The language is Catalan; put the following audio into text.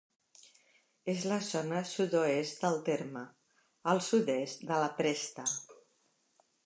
És a la zona sud-oest del terme, al sud-est de la Presta.